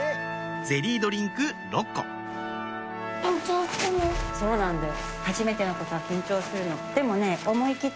ゼリードリンク６個そうなんだよ。